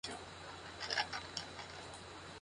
El río ha creado terrazas y una planicie de inundación.